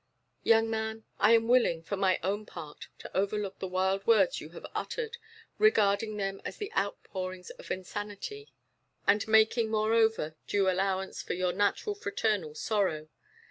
"Young man, I am willing, for my own part, to overlook the wild words you have uttered, regarding them as the outpourings of insanity, and making moreover due allowance for your natural fraternal sorrow.